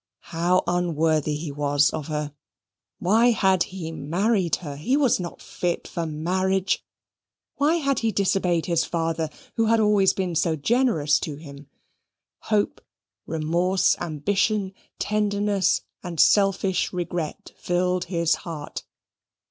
How unworthy he was of her. Why had he married her? He was not fit for marriage. Why had he disobeyed his father, who had been always so generous to him? Hope, remorse, ambition, tenderness, and selfish regret filled his heart.